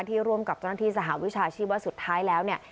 ร่วมกับเจ้าหน้าที่สหวิชาชีพว่าสุดท้ายแล้วเนี่ย